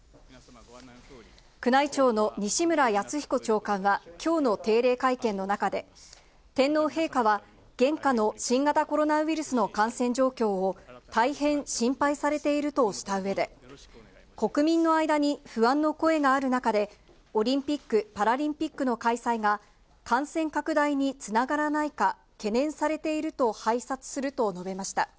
宮内庁の西村泰彦長官はきょうの定例会見の中で、天皇陛下は現下の新型コロナウイルスの感染状況を、大変心配されているとしたうえで、国民の間に不安の声がある中で、オリンピック・パラリンピックの開催が感染拡大につながらないか、懸念されていると拝察すると述べました。